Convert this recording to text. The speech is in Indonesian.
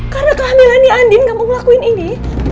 karena kehamilannya andin kamu ngelakuin ini